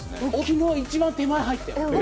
昨日一番手前入ったよ